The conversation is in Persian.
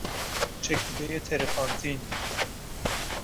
چکیدهی ترپانتین